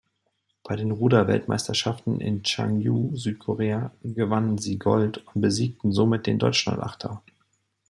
Bei den Ruder-Weltmeisterschaften in Chungju, Südkorea, gewannen sie Gold und besiegten somit den Deutschland-Achter.